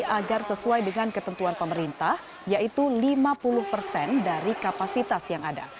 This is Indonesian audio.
agar sesuai dengan ketentuan pemerintah yaitu lima puluh persen dari kapasitas yang ada